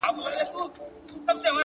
هوښیار فکر د راتلونکي لپاره تیاری نیسي!